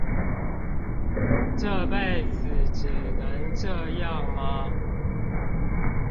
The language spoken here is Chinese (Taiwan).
這輩子只能這樣嗎？